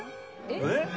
えっ？